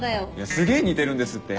すげぇ似てるんですって